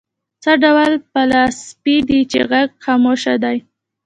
څه ډول فلاسفې دي چې غږ خاموش دی.